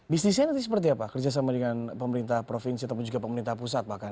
bisnisnya nanti seperti apa kerjasama dengan pemerintah provinsi ataupun juga pemerintah pusat bahkan